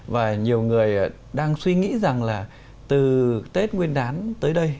và nhiều người đang suy nghĩ rằng là từ tết nguyên đán tới đây